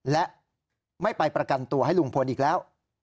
และไม่ไปประกันตัวให้ลุงพลอีกแล้ว